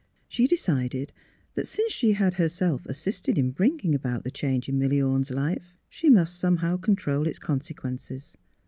She decided that since she had herself assisted in bringing about the change in Milly Orne's life, she must, somehow, control its consequences.